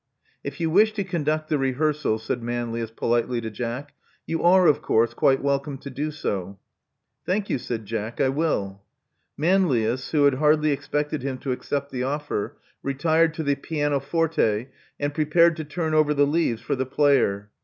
If you wish to conduct the rehearsal,*' said Manlius politely to Jack, you are, of course, quite welcome to do so." Thank you," said Jack. I will." Manlius, who had hardly expected him to accept the offer, retired to the pianoforte, and prepared to turn over the leaves for the player.